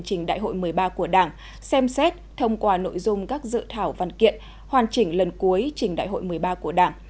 trình đại hội một mươi ba của đảng xem xét thông qua nội dung các dự thảo văn kiện hoàn chỉnh lần cuối trình đại hội một mươi ba của đảng